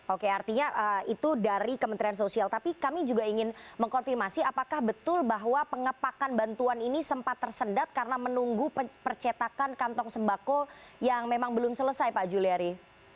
oke artinya itu dari kementerian sosial tapi kami juga ingin mengkonfirmasi apakah betul bahwa pengepakan bantuan ini sempat tersendat karena menunggu percetakan kantong sembako yang memang belum selesai pak juliari